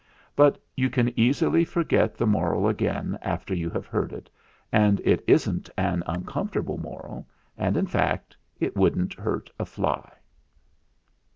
But you can easily forget the moral again after you have heard it, and it isn't an uncomfortable moral, and, in fact, it wouldn't hurt a fly.